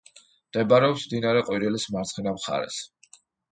მდებარეობს მდინარე ყვირილის მარცხენა მხარეს.